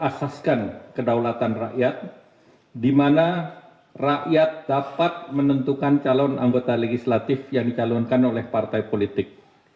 asaskan kedaulatan rakyat di mana rakyat dapat menentukan calon anggota legislatif yang dicalonkan oleh partai politik